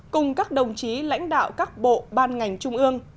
cùng các đồng chí lãnh đạo các bộ ban ngành trung ương